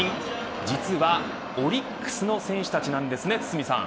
実はオリックスの選手たちなんですね、堤さん。